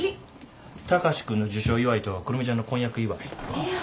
貴司君の受賞祝いと久留美ちゃんの婚約祝い。